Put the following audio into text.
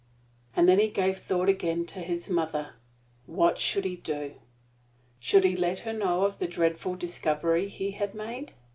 And then he gave thought again to his mother. What should he do? Should he let her know of the dreadful discovery he had made?